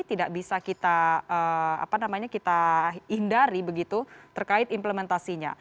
tidak bisa kita apa namanya kita hindari begitu terkait implementasinya